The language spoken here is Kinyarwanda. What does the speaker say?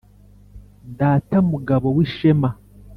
Data mugabo w’ishema